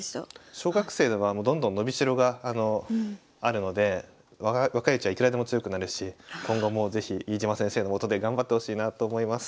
小学生はもうどんどん伸び代があるので若いうちはいくらでも強くなるし今後も是非飯島先生のもとで頑張ってほしいなと思います。